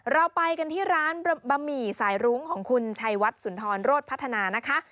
เราไปกันที่ร้านบะหมี่สายรุ้งของคุณชัยวัดสุนทรโรธพัฒนานะคะ